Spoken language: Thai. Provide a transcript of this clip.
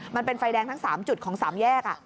มันเป็นไฟแดงทั้ง๓จุดของ๓แยก